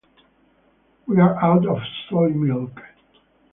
We're out of soy milk.